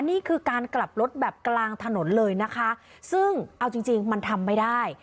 นี่คือการกลับรถแบบกลางถนนเลยนะคะซึ่งเอาจริงจริงมันทำไม่ได้